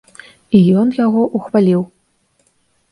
І ён яго ўхваліў.